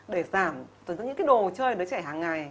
để giảm những đồ chơi đứa trẻ hàng ngày